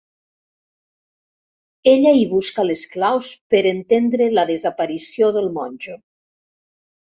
Ella hi busca les claus per entendre la desaparició del monjo.